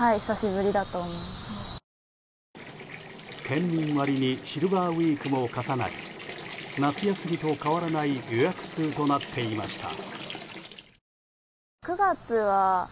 県民割にシルバーウィークも重なり夏休みと変わらない予約数となっていました。